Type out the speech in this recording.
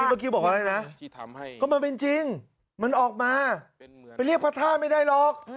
เมื่อกี้บอกอะไรนะก็มันเป็นจริงมันออกมาไปเรียกพระธาตุไม่ได้หรอก